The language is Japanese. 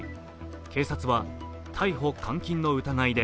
警察は逮捕・監禁の疑いで